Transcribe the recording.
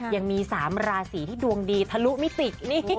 ยังมี๓ราศีที่ดวงดีทะลุมิติ